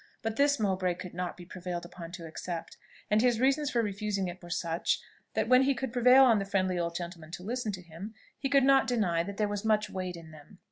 But this Mowbray could not be prevailed upon to accept; and his reasons for refusing it were such, that when he could prevail on the friendly old gentleman to listen to him, he could not deny that there was much weight in them.